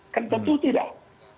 kan tentu tidak